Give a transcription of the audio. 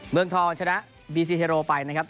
เมืองทองชนะบีซีเฮโรไปนะครับ